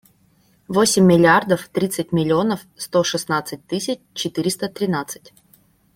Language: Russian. Восемь миллиардов тридцать миллионов сто шестнадцать тысяч четыреста тринадцать.